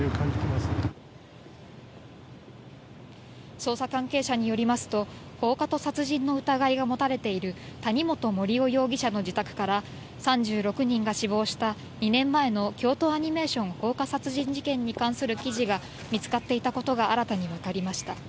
捜査関係者によりますと放火と殺人の疑いが持たれている谷本盛雄容疑者の自宅から３６人が死亡した２年前の京都アニメーション放火殺人事件に関する記事が見つかっていたことが新たに分かりました。